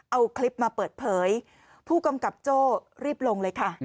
เอาคลิปมาเปิดเผยผู้กำกับโจ้รีบลงเลยค่ะ